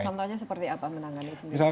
contohnya seperti apa menangani sendiri